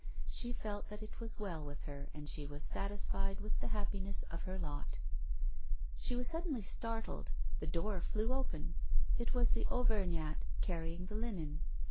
She felt that it was well with her, and she was satisfied with the happiness of her lot. She was suddenly startled the door flew open; it was the Auvergnat carrying the linen.